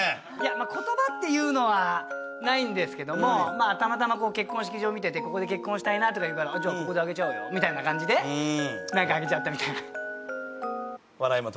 言葉っていうのはないんですけどもたまたま結婚式場見ててここで結婚したいなとか言うからここで挙げちゃおうよみたいな感じでなんか挙げちゃったみたいな。